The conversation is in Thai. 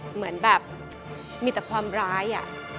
เหมือนแบบมีแต่ความร้าย